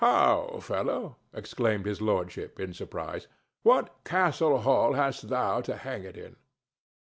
"How, fellow?" exclaimed His Lordship, in surprise. "What castle hall hast thou to hang it in?"